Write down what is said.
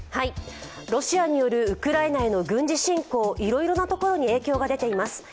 ロシアによるウクライナへの軍事侵攻、いろいろなところに影響が出ています。